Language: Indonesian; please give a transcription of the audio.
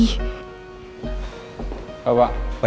aku gak bisa ketemu sama adi